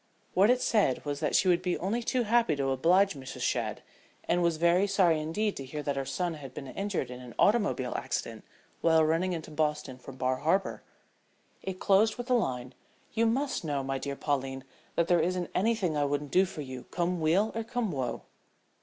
What it said was that she would be only too happy to oblige Mrs. Shadd, and was very sorry indeed to hear that her son had been injured in an automobile accident while running into Boston from Bar Harbor. It closed with the line, "you must know, my dear Pauline, that there isn't anything I wouldn't do for you, come weal or come woe."